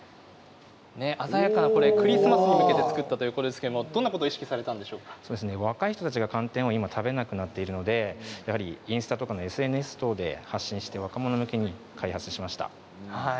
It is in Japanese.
鮮やかなクリスマスに向けて作ったということですが若い人が今は寒天を食べなくなってるのでインスタとかですねＳＮＳ等で発信して若者向けに開発しました。